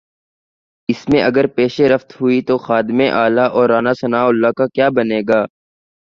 اس میں اگر پیش رفت ہوئی تو خادم اعلی اور رانا ثناء اللہ کا کیا بنے گا؟